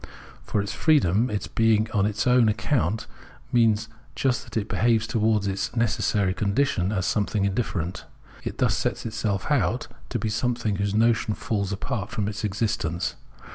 For its freedom, its being on its own account, means just that it behaves towards its necessary condition as something indifferent. It thus sets itself out to be something whose notion falls apart from its existence.